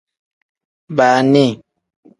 Baani.